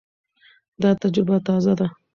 دا تجربه تازه ده.